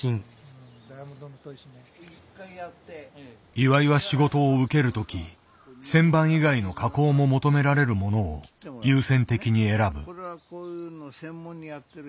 岩井は仕事を受けるとき旋盤以外の加工も求められるものを優先的に選ぶ。